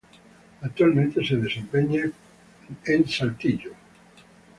Actualmente se desempeña como de Saltillo.